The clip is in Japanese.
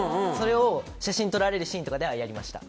写真撮られるシーンとかではやりました。